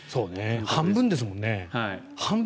半分ですもんね。